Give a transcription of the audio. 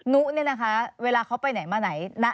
นุเนี่ยนะคะเวลาเขาไปไหนมาไหนนะ